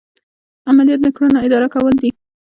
عملیات د کړنو اداره کول دي.